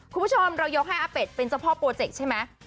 คุณผู้ชมเรายกให้อาเป็ดเป็นเจ้าพ่อโปรเจกต์ใช่ไหม